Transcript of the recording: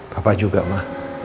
papa juga ma